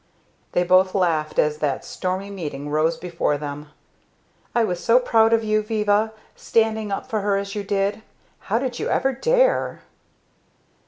They both laughed as that stormy meeting rose before them. "I was so proud of you, Viva, standing up for her as you did. How did you ever dare?"